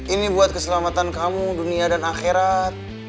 ini buat keselamatan kamu dunia dan akhirat